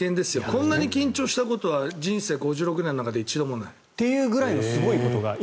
こんなに緊張したことは人生５６年の中で一度もない。ということぐらいのすごいことが。